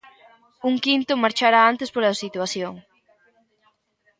Un quinto marchara antes pola situación.